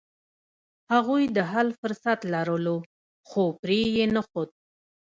هغوی د حل فرصت لرلو، خو پرې یې نښود.